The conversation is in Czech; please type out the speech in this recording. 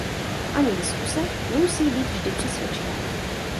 Ani diskuse nemusí být vždy přesvědčivá.